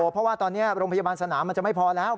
เพราะว่าตอนนี้โรงพยาบาลสนามมันจะไม่พอแล้ว